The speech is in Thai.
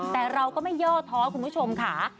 แต่เราก็ไม่ย่อท้อคุณผู้ชมค่ะ